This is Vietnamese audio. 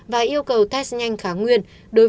và yêu cầu test nhanh kháng nguyên